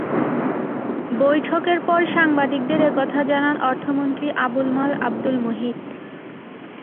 বৈঠকের পর সাংবাদিকদের এ কথা জানান অর্থমন্ত্রী আবুল মাল আবদুল মুহিত।